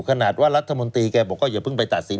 ขนาดว่ารัฐมนตรีแกบอกว่าอย่าเพิ่งไปตัดสิน